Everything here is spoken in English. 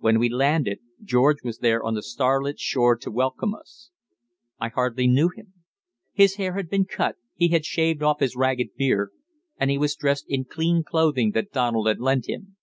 When we landed, George was there on the starlit shore to welcome us. I hardly knew him. His hair had been cut, he had shaved off his ragged beard, and he was dressed in clean clothing that Donald had lent him.